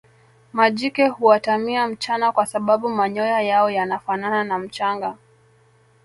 majike huatamia mchana kwa sababu manyoya yao yanafanana na mchanga